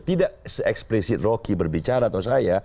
tidak se express it rocky berbicara atau saya